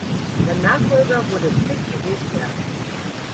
Sein Nachfolger wurde Zeki Sezer.